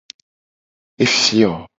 Efio.